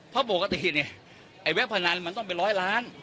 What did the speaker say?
เพราะปกติเนี่ยไอ้เว็บพนันมันต้องเป็นร้อยล้าน